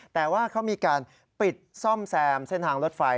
แต่ว่าเขามีการปิดซ่อมแซมเส้นทางรถไฟ